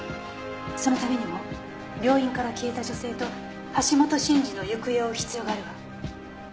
そのためにも病院から消えた女性と橋本慎二の行方を追う必要があるわ。